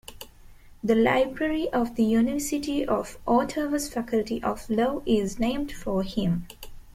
The library of the University of Ottawa's Faculty of Law is named for him.